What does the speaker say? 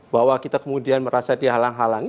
bahwa kita kemudian merasa dihalang halangi